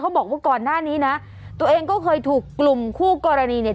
บอกว่าก่อนหน้านี้นะตัวเองก็เคยถูกกลุ่มคู่กรณีเนี่ย